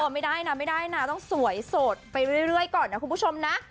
ไม่ได้นะไม่ได้นะต้องสวยโสดไปเรื่อยก่อนนะคุณผู้ชมนะ